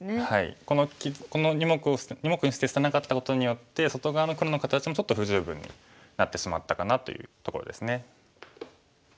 この２目にして捨てなかったことによって外側の黒の形もちょっと不十分になってしまったかなというところですね。